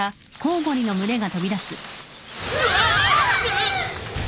うわあっ！